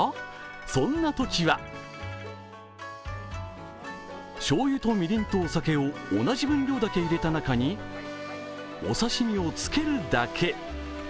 そんなときはしょうゆと、みりんとお酒を同じ分量だけ入れた中にお刺身をつけるだけ。